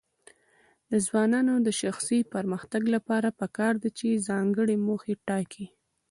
د ځوانانو د شخصي پرمختګ لپاره پکار ده چې ځانګړي موخې ټاکي.